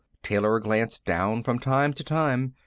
Taylor glanced down from time to time.